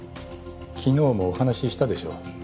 昨日もお話ししたでしょ。